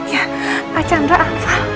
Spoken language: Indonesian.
ya pak chandra anfal